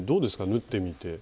縫ってみて。